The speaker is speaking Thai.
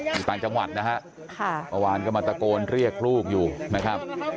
อยู่ต่างจังหวัดนะฮะเมื่อวานก็มาตะโกนเรียกลูกอยู่นะครับ